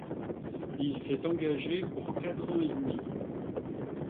Il s'est engagé pour quatre ans et demi.